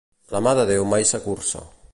La mà de Déu mai s'acurça.